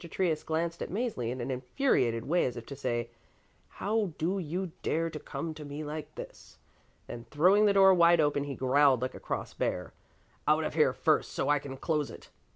Trius glanced at Mäzli in an infuriated way as if to say: "How do you dare to come to me like this?" Then throwing the door wide open he growled like a cross bear: "Out of here first, so I can close it."